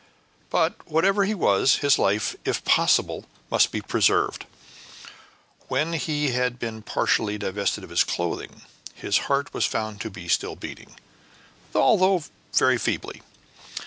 But whatever he was, his life, if possible, must be preserved. When he had been partially divested of his clothing, his heart was found to be still beating, though very feebly.